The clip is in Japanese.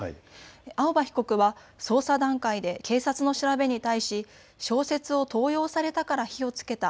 青葉被告は捜査段階で警察の調べに対し、小説を盗用されたから火をつけた。